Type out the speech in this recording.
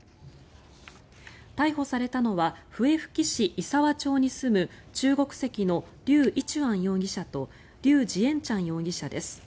逮捕されたのは笛吹市石和町に住む中国籍のリュウ・イチュアン容疑者とリュウ・ジエンチャン容疑者です。